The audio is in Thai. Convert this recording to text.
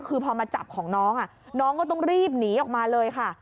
คือพอมาจับของน้องน้องก็ต้องรีบหนีออกมาเลยค่ะ